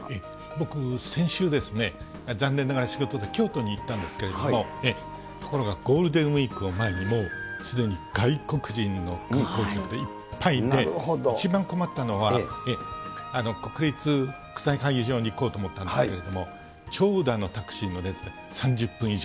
僕、先週ですね、残念ながら、仕事で京都に行ったんですけれども、ところがゴールデンウィークを前に、もう、すでに外国人の観光客で一杯で一番困ったのは、国立国際会議場に行こうと思ったんですけれども、長蛇のタクシーの列で３０分以上。